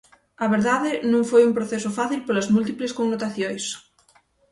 A verdade, non foi un proceso fácil polas múltiples connotacións.